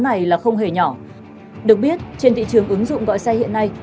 hãy theo dõi một đoạn clip mà chúng tôi đã ghi nhận